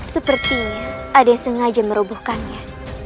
sepertinya ada yang sengaja merobohkannya